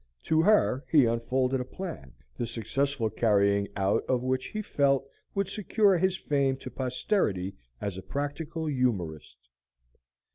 To her he unfolded a plan, the successful carrying out of which he felt would secure his fame to posterity as a practical humorist.